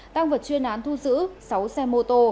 tăng vật chuyên án thu giữ sáu xe mô tô